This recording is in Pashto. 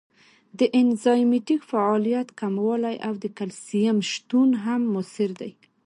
د انزایمټیک فعالیت کموالی او د کلسیم شتون هم مؤثر دی.